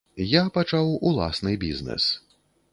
Я пачаў уласны бізнэс.